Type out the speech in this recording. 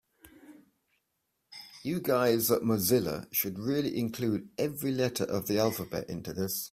You guys at Mozilla should really include every letter of the alphabet into this.